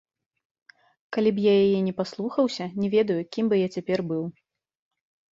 І калі б я яе не паслухаўся, не ведаю, кім бы я цяпер быў.